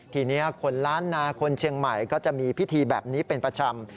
ทีนี้คนล้านนาคนเชียงใหม่ก็จะมีพิธีแบบนี้เป็นประจำ